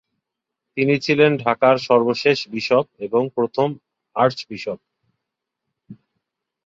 তিনি ছিলেন ঢাকার সর্বশেষ বিশপ এবং প্রথম আর্চবিশপ।